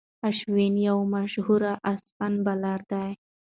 اشوين یو مشهور اسپن بالر دئ.